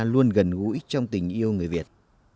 luôn gần gũi trong tình yêu người việt